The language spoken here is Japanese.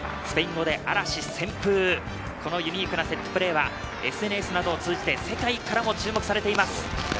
スペイン語で嵐、旋風、このユニークなセットプレーはＳＮＳなどを通じて世界からも注目されています。